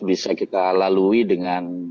bisa kita lalui dengan